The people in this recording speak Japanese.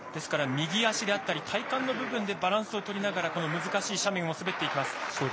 ですから右足であったり体幹の部分でバランスを取りながらこの難しい斜面を滑っていきます。